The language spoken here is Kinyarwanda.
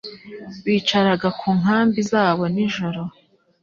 Bicaraga ku nkambi zabo nijoro